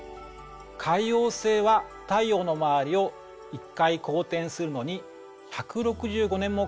海王星は太陽の周りを１回公転するのに１６５年もかかっています。